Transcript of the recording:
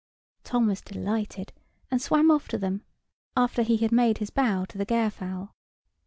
Tom was delighted, and swam off to them, after he had made his bow to the Gairfowl.